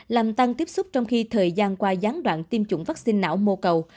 làm tăng tiếp xúc trong khi thời gian qua gián đoạn tiêm chủng vaccine não mô cầu